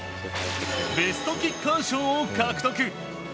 ベストキッカー賞を獲得。